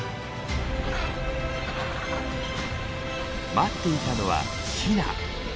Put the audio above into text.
待っていたのはヒナ。